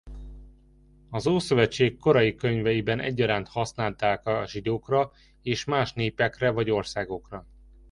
Az Ószövetség korai könyveiben egyaránt használták a zsidókra és más népekre vagy országokra.